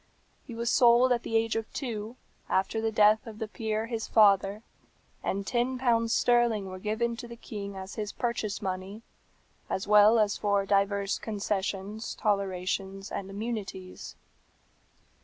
"He was sold at the age of two, after the death of the peer, his father, and ten pounds sterling were given to the king as his purchase money, as well as for divers concessions, tolerations, and immunities.